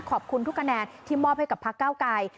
ขอบคุณทุกคะแนนที่มอบให้กับพักเก้าไกร